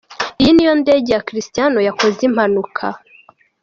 Iyi niyo ndege ya Cristiano yakoze impanuka.